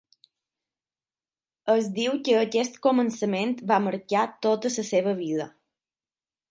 Es diu que aquest començament va marcar tota la seva vida.